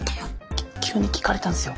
きゅっ急に聞かれたんすよ。